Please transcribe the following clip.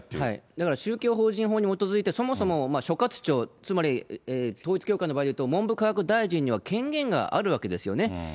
だから宗教法人法に基づいて、そもそも所轄庁、つまり統一教会の場合だと、文部科学大臣には権限があるわけですよね。